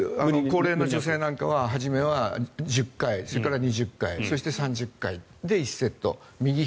高齢の女性なんかは初めは１０回それから２０回、３０回それで１セット。